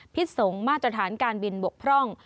พิสงฆ์มาตรฐานการบินบกพร่อง